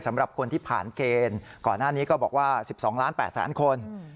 สำหรับคนที่ผ่านเกณฑ์ก่อนหน้านี้ก็บอกว่า๑๒ล้าน๘แสนคน